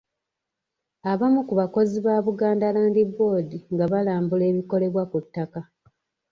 Abamu ku bakozi ba Buganda Land Board nga balambula ebikolebwa ku ttaka.